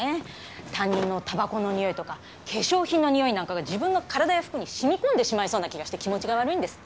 他人のタバコのにおいとか化粧品のにおいなんかが自分の体や服に染み込んでしまいそうな気がして気持ちが悪いんですって。